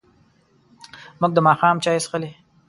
موږ د ماښام چای څښلی.